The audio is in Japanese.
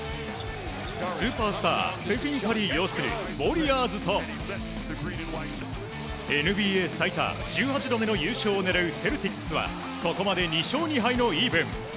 スーパースター、カリー擁するウォリアーズとＮＢＡ最多１８度目の優勝を狙うセルティックスはここまで２勝２敗のイーブン。